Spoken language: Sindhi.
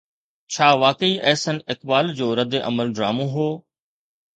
ڇا واقعي احسن اقبال جو ردعمل ڊرامو هو؟